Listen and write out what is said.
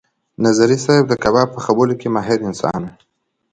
نظري صیب د کباب په پخولو کې ماهر انسان و.